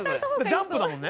『ジャンプ』だもんね？